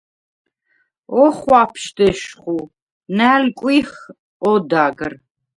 ოხვაფშვდ ეშხუ, ნალკვიჰვ ოდაგრ.